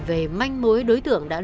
về manh mối đối tượng đã lé lên